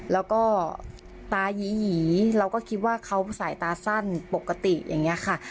แล้วก็ตายีหีเราก็คิดว่าเขาสายตาสั้นปกติอย่างนี้ค่ะ